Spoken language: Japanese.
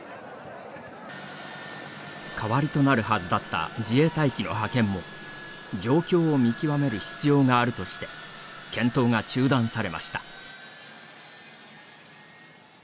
代わりとなるはずだった自衛隊機の派遣も状況を見極める必要があるとして検討が中断されました。